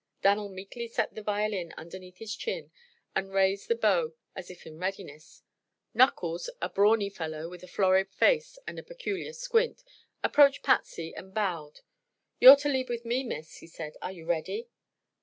Dan'l meekly set the violin underneath his chin and raised the bow as if in readiness. "Knuckles," a brawny fellow with a florid face and a peculiar squint, approached Patsy and bowed. "You're to lead with me, Miss," he said. "Are you ready?"